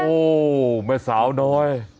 โอ้แม่สาวน้อย